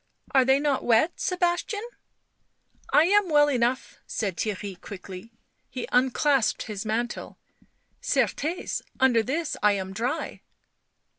" Are they not wet, Sebastian ?"" I am well enough," said Theirry quickly; he unclasped his mantle. " Certes, under this I am dry."